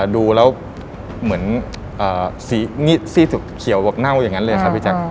ดูแล้วเหมือนสีเขียวแบบเน่าอย่างนั้นเลยครับพี่แจ๊ค